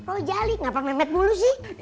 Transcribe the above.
oh jali kenapa memet mulu sih